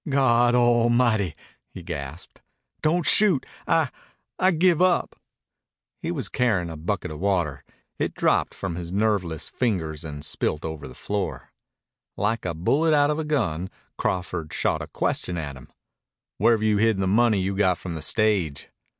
"Goddlemighty!" he gasped. "Don't shoot! I I give up." He was carrying a bucket of water. It dropped from his nerveless fingers and spilt over the floor. Like a bullet out of a gun Crawford shot a question at him. "Where have you hidden the money you got from the stage?"